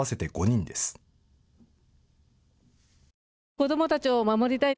子どもたちを守りたい。